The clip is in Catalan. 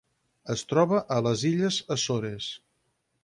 Es troba a les Illes Açores.